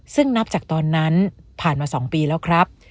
ซึ่งนับจากตอนนั้นผ่านมา๒ปีแล้วครับ